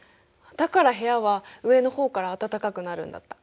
だから部屋は上の方から暖かくなるんだった。